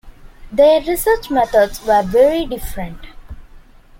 Their research methods were very different.